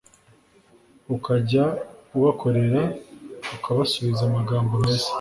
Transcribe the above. ukajya ubakorera ukabasubiza amagambo meza